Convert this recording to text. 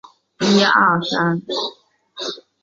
蕨萁为阴地蕨科阴地蕨属下的一个种。